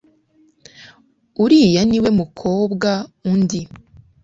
uriya niwe mukobwa undi